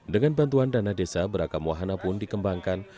dengan bantuan dana desa beragam wahana pun dikembangkan